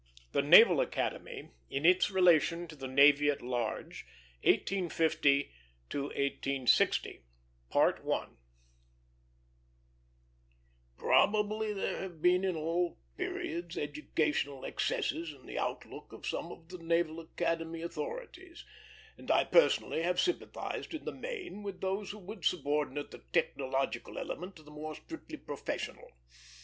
III THE NAVAL ACADEMY IN ITS RELATION TO THE NAVY AT LARGE 1850 1860 Probably there have been at all periods educational excesses in the outlook of some of the Naval Academy authorities; and I personally have sympathized in the main with those who would subordinate the technological element to the more strictly professional.